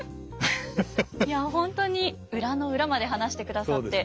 いや本当に裏の裏まで話してくださって。